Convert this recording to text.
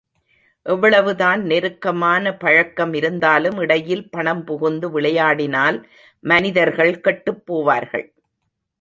எவ்வளவுதான் நெருக்கமான பழக்கம் இருந்தாலும் இடையில் பணம் புகுந்து விளையாடினால் மனிதர்கள் கெட்டுப் போவார்கள்.